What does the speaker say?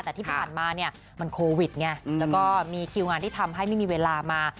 แต่ที่ผ่านมาเนี่ยมันโควิดไงแล้วก็มีคิวงานที่ทำให้ไม่มีเวลามา